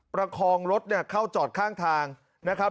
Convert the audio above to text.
ประคองรถเข้าจอดข้างทางนะครับ